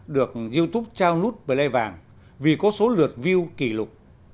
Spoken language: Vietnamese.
được youtube trao nút bla vàng vì có số lượt view kỷ lục